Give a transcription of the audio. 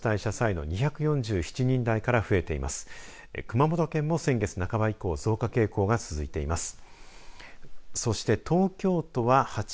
熊本県も先月半ば以降増加傾向が続いています。